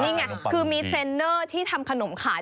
นี่ไงคือมีเทรนเนอร์ที่ทำขนมขาย